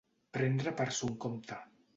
Prendre per son compte.